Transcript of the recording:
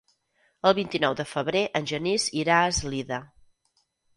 El vint-i-nou de febrer en Genís irà a Eslida.